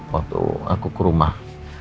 waktu aku ke rumah